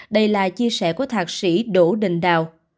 đây là chia sẻ của thạc sĩ đỗ đình đào